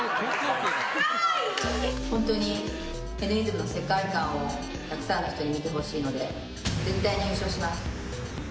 本当にＮ’ｉｓｍの世界観をたくさんの人に見てほしいので、絶対に優勝します。